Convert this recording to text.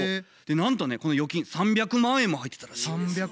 なんとねこの預金３００万円も入ってたらしいんですよ。